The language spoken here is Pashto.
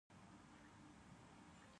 افغانستان د چرګانو په غوښه ځان بسیا کیږي